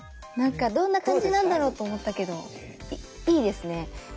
どんな感じなんだろうと思ったけどいいですね。